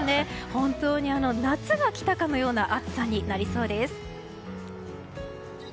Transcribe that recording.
本当に夏が来たかのような暑さになりそうです。